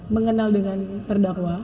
mengenal dengan terdakwa